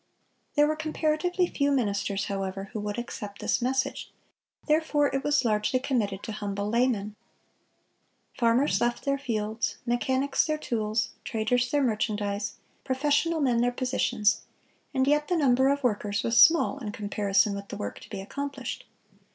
There were comparatively few ministers, however, who would accept this message; therefore it was largely committed to humble laymen. Farmers left their fields, mechanics their tools, traders their merchandise, professional men their positions; and yet the number of workers was small in comparison with the work to be accomplished.